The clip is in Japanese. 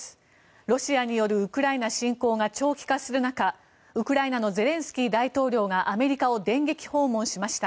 ロシアによるウクライナ侵攻が長期化する中ウクライナのゼレンスキー大統領がアメリカを電撃訪問しました。